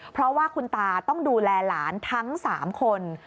เพราะว่าคุณตาต้องดูแลหลานทั้ง๓คน